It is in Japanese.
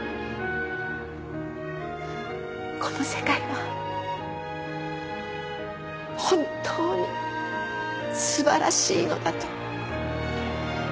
この世界は本当に素晴らしいのだと。